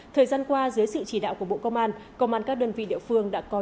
thời gian qua dưới sự chỉ đạo của bộ công an công an các đơn vị địa phương đã có